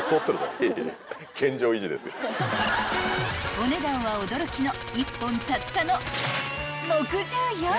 ［お値段は驚きの１本たったの］